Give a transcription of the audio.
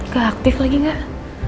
gak aktif lagi gak